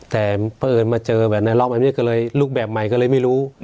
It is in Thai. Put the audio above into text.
แต่เพราะเอิญมาเจอแบบในรอบอันนี้ก็เลยรูปแบบใหม่ก็เลยไม่รู้